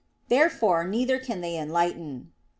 Therefore neither can they enlighten.